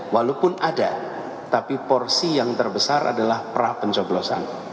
walaupun ada tapi porsi yang terbesar adalah pra pencoblosan